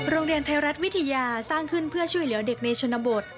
โรงเรียนไทยรัฐวิทยาสร้างขึ้นเพื่อช่วยเหลือเด็กในชนบท